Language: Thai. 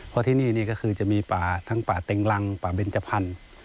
เพราะที่นี่นี่ก็คือจะมีป่าทั้งป่าเต็งรังป่าเบนจพันธุ์